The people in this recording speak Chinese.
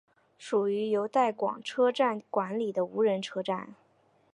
属于由带广车站管理的无人车站。